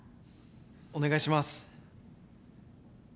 ・お願いします